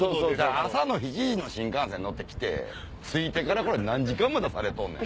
朝の７時の新幹線乗って来て着いてから何時間待たされとんねん！